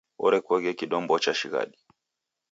Orekoghe kidombo cha shighadi.